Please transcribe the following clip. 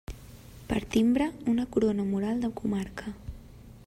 Per timbre, una corona mural de comarca.